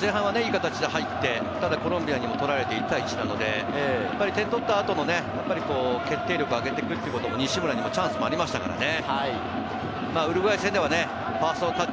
前半はいい形だ入って、ただコロンビアにとられて１対１なので、点を取った後の決定力を上げていくっていうことも西村にもチャンスはありましたからね。